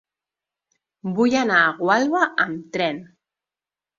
Vull anar a Gualba amb tren.